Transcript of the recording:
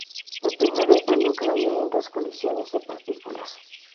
El primero involucra violentas colisiones de partículas.